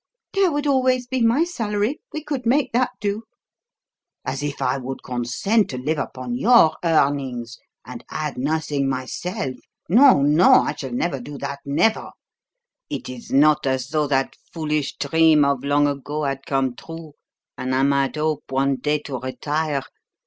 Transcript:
"There would always be my salary; we could make that do." "As if I would consent to live upon your earnings and add nothing myself! No, no! I shall never do that never. It is not as though that foolish dream of long ago had come true, and I might hope one day to retire.